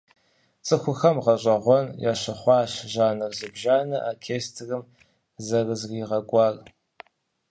ЦӀыхухэм гъэщӀэгъуэн ящыхъуащ жанр зыбжанэ оркестрым зэрызригъэкӀуар.